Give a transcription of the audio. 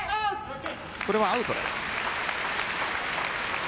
これはアウトです。